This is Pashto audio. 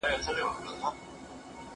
دا د کتابتون د کار مرسته ګټوره ده؟